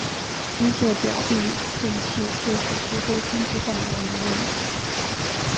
机械表避震器就是吸收冲击带来的能量。